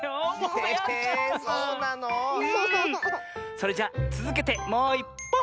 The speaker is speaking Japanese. それじゃつづけてもういっぽん！